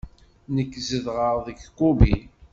Nekk zedɣeɣ deg Kobe.